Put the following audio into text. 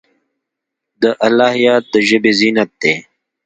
د الله یاد د ژبې زینت دی.